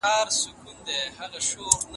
د پښيمانۍ په صورت کي فقط نوې نکاح غواړي.